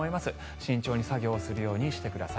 慎重に作業をするようにしてください。